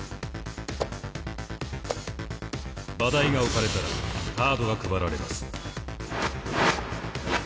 場代が置かれたらカードが配られます。